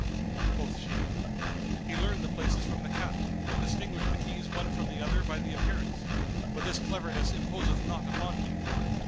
Quoth she, "He learned the places from the cat and distinguished the keys one from the other by the appearance: but this cleverness imposeth not upon me."